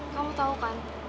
kamu tau kan